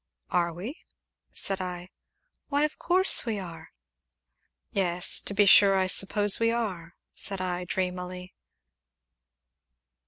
"Are we?" said I. "Why, of course we are." "Yes to be sure I suppose we are," said I dreamily.